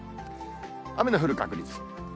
雨の降る確率。